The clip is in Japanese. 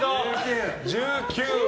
１９。